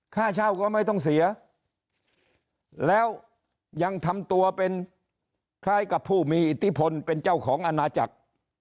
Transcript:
ค่าเช่าก็ไม่ต้องเสียแล้วยังทำตัวเป็นคล้ายกับผู้มีอิทธิพลเป็นเจ้าของอนาจักร